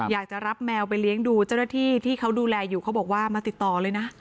อยากจะรับแมวไปเลี้ยงดูเจ้าหน้าที่ที่เขาดูแลอยู่เขาบอกว่ามาติดต่อเลยนะ